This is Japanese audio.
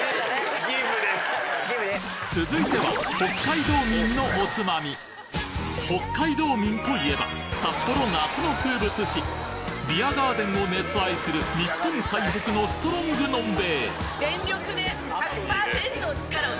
・・ギブです・・ギブね・続いては北海道民のおつまみ北海道民といえば札幌夏の風物詩ビアガーデンを熱愛する日本最北のストロング飲んべえ